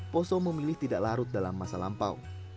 poso memilih tidak larut dalam masa lampau